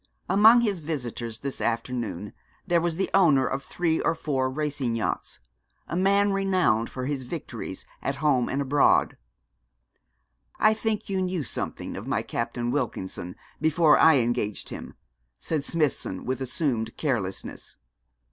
Among his visitors this afternoon there was the owner of three or four racing yachts a man renowned for his victories, at home and abroad. 'I think you knew something of my captain, Wilkinson, before I engaged him,' said Smithson, with assumed carelessness.